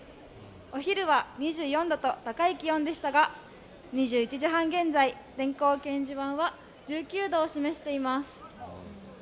お昼は２４度と高い気温でしたが、２１時半現在で電光掲示板は１９度を示しています。